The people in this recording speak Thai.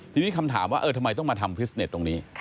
ทีนี้คำถามว่าเออทำไมต้องมาทำฟิสเน็ตตรงนี้